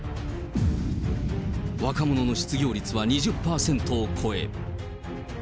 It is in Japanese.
若者の失業率は２０％を超え。